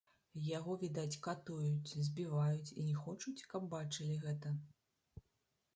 Яго, відаць, катуюць, збіваюць і не хочуць, каб бачылі гэта.